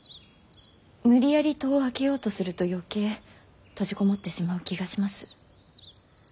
無理やり戸を開けようとすると余計閉じ籠もってしまう気がします。